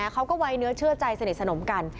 เขาก็ไว้เนื้อเชื่อใจสนิทสนมกัน